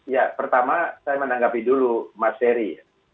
ya pertama saya menanggapi dulu mas ferry